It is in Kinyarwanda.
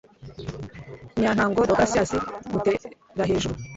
Nyantango Deogratias Muterahejuru